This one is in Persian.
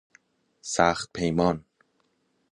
سخت پیمان